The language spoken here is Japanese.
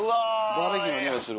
バーベキューの匂いする。